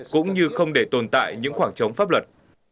cũng như không để tồn tại những khoảng trống pháp luật